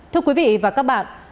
thưa quý vị và các bạn